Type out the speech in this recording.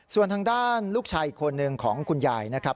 ส่วนทางด้านลูกชายอีกคนหนึ่งของคุณยายนะครับ